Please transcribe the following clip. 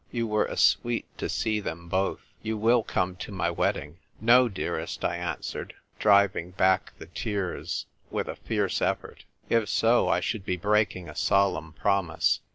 You were a sweet to see them both. You will come to my wedding ?" "No, dearest," I answered, driving back the tears with a fierce effort. " If so, I should be breaking a solemn promise."